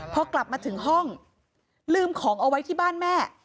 พอกลับมาถึงห้องลืมของเอาไว้ที่บ้านแม่